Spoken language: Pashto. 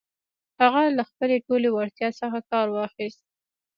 هغه له خپلې ټولې وړتيا څخه کار واخيست.